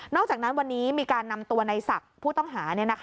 อกจากนั้นวันนี้มีการนำตัวในศักดิ์ผู้ต้องหา